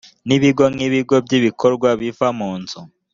n ibigo nk ibigo by ibikorwa biva munzu